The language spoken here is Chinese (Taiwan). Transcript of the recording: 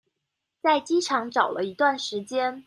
在機場找了一段時間